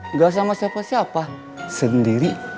nggak sama siapa siapa sendiri